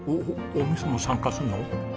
お味噌も参加するの？